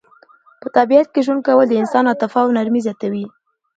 په طبیعت کې ژوند کول د انسان عاطفه او نرمي زیاتوي.